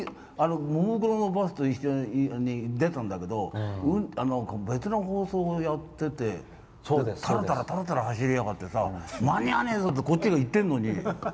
ももクロのバスと一緒に出たんだけど別の放送をやっててタラタラ走りやがってさ間に合わねえぞってこっちが言ってるのに。